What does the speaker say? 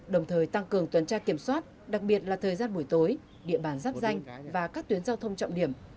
đồng thời tăng cường tuần tra kiểm soát đặc biệt là thời gian buổi tối địa bàn rắp danh và các tuyến giao thông trọng điểm